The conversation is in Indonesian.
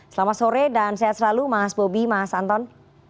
selamat sore dan sehat selalu mas bobi mas anton